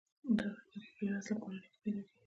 یا په بې وزله کورنۍ کې پیدا کیږي.